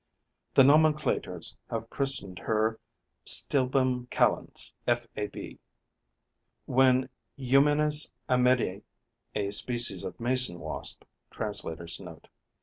The nomenclators have christened her Stilbum calens, FAB. When Eumenes Amedei (A species of Mason wasp. Translator's Note.)